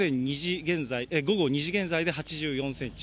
午後２時現在で、８４センチ。